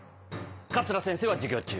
桂先生は授業中。